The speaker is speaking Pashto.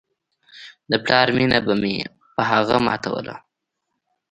د پلار مينه به مې په هغه ماتوله.